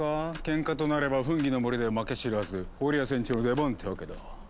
ケンカとなればフンギの森では負け知らずフォリア船長の出番ってわけだ。